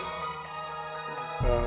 jadi masih lemes